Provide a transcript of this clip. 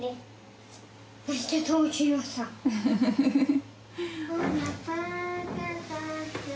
フフフフ。